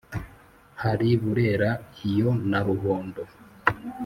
hari burera iyo na ruhondo